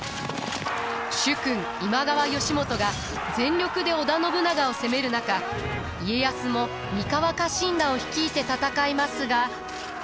主君今川義元が全力で織田信長を攻める中家康も三河家臣団を率いて戦いますが。